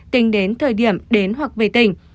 tính đến thời điểm đến hoặc về tỉnh